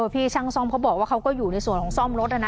พี่ช่างซ่อมเขาบอกว่าเขาก็อยู่ในส่วนของซ่อมรถนะ